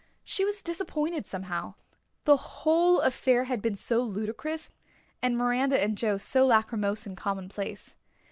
She was disappointed somehow the whole affair had been so ludicrous, and Miranda and Joe so lachrymose and commonplace.